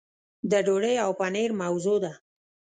د ډوډۍ او پنیر موضوع ده.